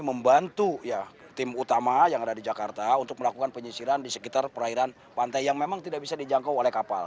membantu tim utama yang ada di jakarta untuk melakukan penyisiran di sekitar perairan pantai yang memang tidak bisa dijangkau oleh kapal